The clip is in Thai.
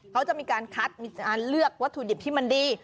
เขาจะมีการเลือกวัตถุดิบที่มันดี